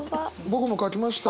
僕も書きました。